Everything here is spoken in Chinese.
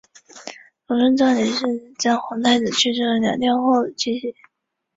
隆重的葬礼在皇太子去世两天后举行。